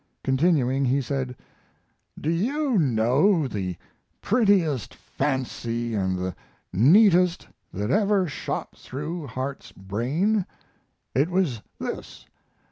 Continuing he said: Do you know the prettiest fancy and the neatest that ever shot through Harte's brain? It was this.